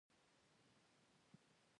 دوی به د لګښت پوره کولو لپاره پور اخیست.